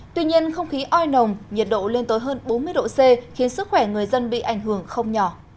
tuy nhiên không khí oi nồng nhiệt độ lên tới hơn bốn mươi độ c khiến sức khỏe người dân bị ảnh hưởng không nhỏ